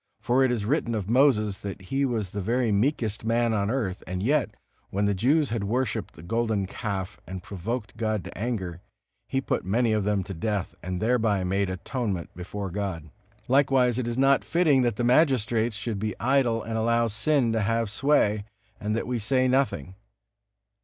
For it is written of Moses that he was the very meekest man on earth, and yet, when the Jews had worshiped the golden calf and provoked God to anger, he put many of them to death, and thereby made atonement before God. Likewise it is not fitting that the magistrates should be idle and allow sin to have sway, and that we say nothing.